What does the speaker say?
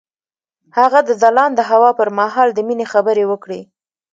هغه د ځلانده هوا پر مهال د مینې خبرې وکړې.